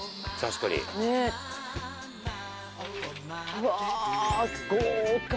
うわ豪華。